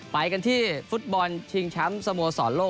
ไปกันที่ฟุตบอลชิงแชมป์สโมสรโลก